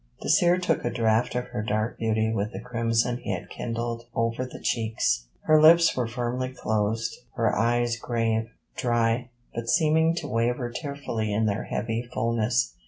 Dacier took a draught of her dark beauty with the crimson he had kindled over the cheeks. Her lips were firmly closed, her eyes grave; dry, but seeming to waver tearfully in their heavy fulness.